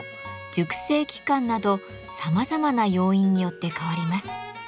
熟成期間などさまざまな要因によって変わります。